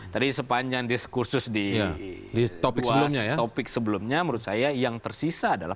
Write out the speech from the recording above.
tadi sepanjang diskursus di puas topik sebelumnya menurut saya yang tersisa adalah